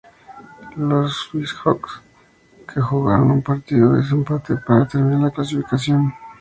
Louis Hawks, con los que jugaron un partido de desempate para determinar la clasificación.